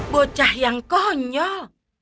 bocah yang konyol